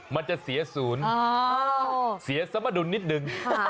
มันจะเสียศูนย์เสียสมดุลนิดนึง